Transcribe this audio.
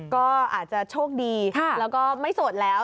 ก็อาจจะโชคดีแล้วก็ไม่โสดแล้ว